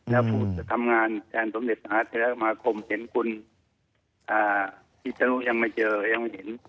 แล้วผู้จะทำงานแทนสมเด็จมหาเทรามาคมเห็นคุณพิษนุยังไม่เจอยังไม่เห็น